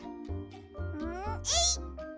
んえいっ！